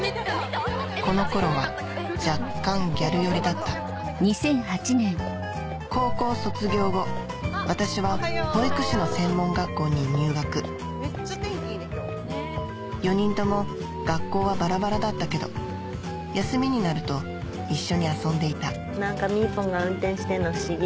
この頃は若干ギャル寄りだった高校卒業後私は保育士の専門学校に入学４人とも学校はバラバラだったけど休みになると一緒に遊んでいた何かみーぽんが運転してんの不思議。